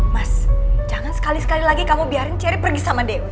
mas jangan sekali sekali lagi kamu biarin cerry pergi sama dewi